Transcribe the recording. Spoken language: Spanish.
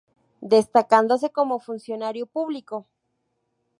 Destacándose como funcionario público.